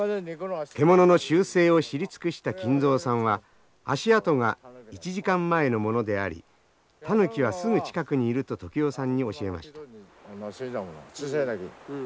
獣の習性を知り尽くした金蔵さんは足跡が１時間前のものでありタヌキはすぐ近くにいると時男さんに教えました。